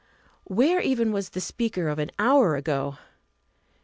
Where even was the speaker of an hour ago?